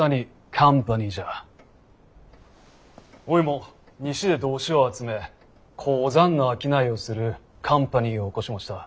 おいも西で同志を集め鉱山の商いをするカンパニーを興しもした。